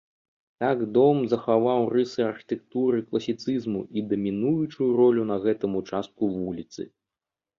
Так дом захаваў рысы архітэктуры класіцызму і дамінуючую ролю на гэтым участку вуліцы.